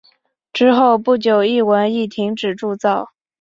之后不久一文亦停止铸造。